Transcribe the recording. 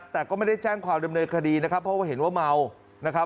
แต่ก็ไม่ได้แจ้งความดำเนินคดีนะครับเพราะว่าเห็นว่าเมานะครับ